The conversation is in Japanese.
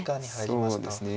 そうですね。